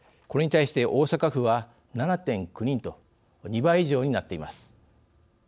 これに対して大阪府は７．９人と２倍以上になっています。